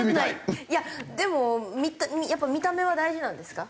でもやっぱ見た目は大事なんですか？